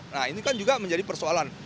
nah ini kan juga menjadi persoalan